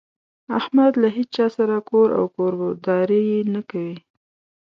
احمد له هيچا سره کور او کورداري نه کوي.